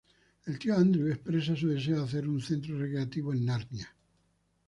El tío Andrew expresa su deseo de hacer un centro recreativo en Narnia.